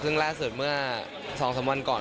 ซึ่งล่าสุดเมื่อ๒๓วันก่อน